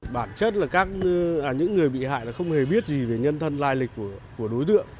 bản chất là những người bị hại là không hề biết gì về nhân thân lai lịch của đối tượng